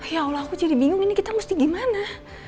ya allah aku jadi bingung ini kita mesti gimana